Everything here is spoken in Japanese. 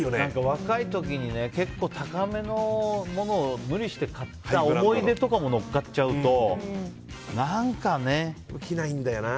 若い時に結構高めのものを無理して買った思い出とかも乗っかっちゃうと着ないんだよな。